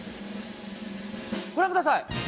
ご覧ください。